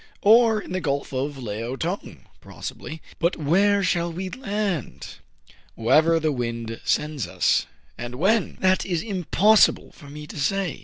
" Or in the Gulf of Leao Tong >" T^ossibly." " But where shall we land ?"Wherever the wind sends us." "And when?" "That is impossible for me to say."